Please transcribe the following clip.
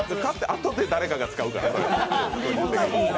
あとで誰かが使うから。